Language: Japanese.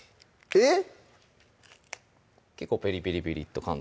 えっ？